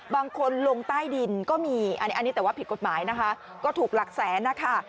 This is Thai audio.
บางคนลงใต้ดินก็มีอันนี้แต่ว่าผิดกฎหมายนะคะก็ถูกหลักแสนนะคะ